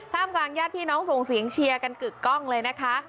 กลางญาติพี่น้องส่งเสียงเชียร์กันกึกกล้องเลยนะคะ